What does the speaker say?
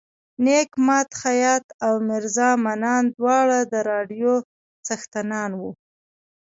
نیک ماد خیاط او میرزا منان دواړه د راډیو څښتنان وو.